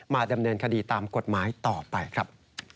ดำเนินคดีตามกฎหมายต่อไปครับ